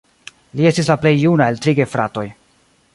Li estis la plej juna el tri gefratoj.